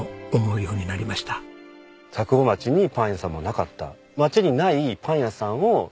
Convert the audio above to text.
佐久穂町にパン屋さんもなかった。